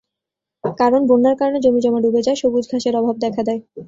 কারণ, বন্যার কারণে জমিজমা ডুবে যায়, সবুজ ঘাসের অভাব দেখা দেয়।